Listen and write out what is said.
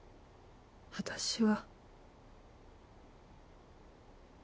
私は。